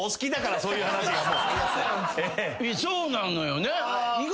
そうなのよね。